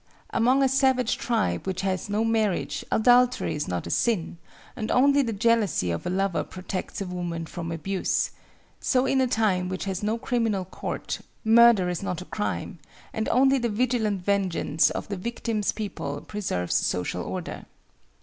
Among a savage tribe which has no marriage, adultery is not a sin, and only the jealousy of a lover protects a woman from abuse: so in a time which has no criminal court, murder is not a crime, and only the vigilant vengeance of the victim's people preserves social order.